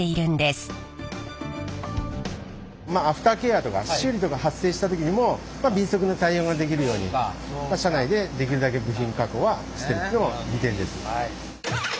まあアフターケアとか修理とか発生した時にも敏速な対応ができるように社内でできるだけ部品確保はしてるというのも利点です。